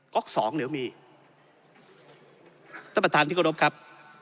ก็สองเดี๋ยวมีต้นประตานที่กรบครับ